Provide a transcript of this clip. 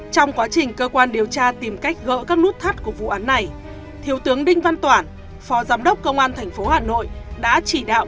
trong quá trình cơ quan điều tra tìm cách gỡ các nút thắt của vụ án này thiếu tướng đinh văn toản phó giám đốc công an thành phố hà nội đã chỉ đạo các bài hỏi